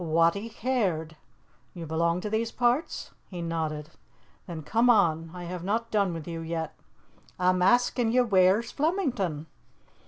"Wattie Caird." "You belong to these parts?" He nodded. "Then come on; I have not done with you yet." "A'm asking ye whaur's Flemington?"